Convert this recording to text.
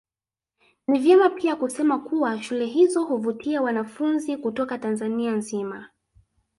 Ni vema pia kusema kuwa shule hizo huvutia wanafunzi kutoka Tanzania nzima